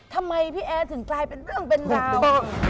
ทำไมพี่แอร์ถึงกลายเป็นเรื่องเป็นราว